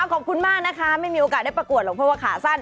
ขอบคุณมากนะคะไม่มีโอกาสได้ประกวดหรอกเพราะว่าขาสั้น